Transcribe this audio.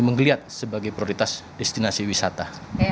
menggeliat sebagai prioritas destinasi wisata